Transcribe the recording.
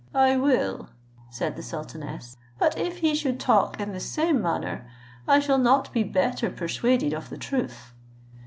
"I will," said the sultaness, "but if he should talk in the same manner, I shall not be better persuaded of the truth.